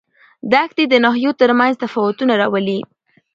دښتې د ناحیو ترمنځ تفاوتونه راولي.